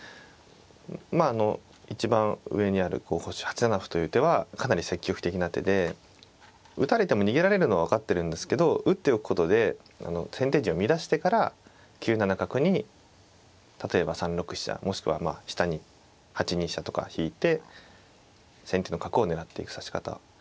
まああの一番上にある候補手８七歩という手はかなり積極的な手で打たれても逃げられるのは分かってるんですけど打っておくことで先手陣を乱してから９七角に例えば３六飛車もしくは下に８二飛車とか引いて先手の角を狙っていく指し方。